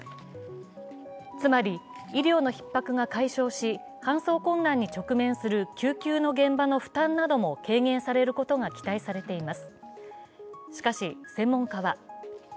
つまり、医療のひっ迫が解消し、搬送困難に直面する救急の現場の負担なども軽減されることが期待されています。